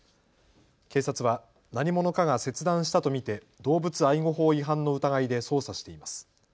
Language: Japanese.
警察は何者かが切断したと見て動物愛護法違反の疑いで捜査しています。